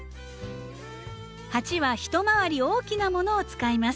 鉢は一回り大きなものを使います。